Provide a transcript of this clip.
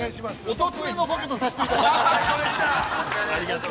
◆１つ目のボケとさせていただきます。